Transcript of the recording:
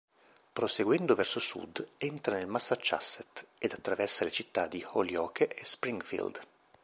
Proseguendo verso sud entra nel Massachusetts ed attraversa le città di Holyoke e Springfield.